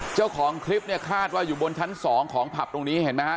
เจ้าของคลิปเนี่ยคาดว่าอยู่บนชั้น๒ของผับตรงนี้เห็นไหมฮะ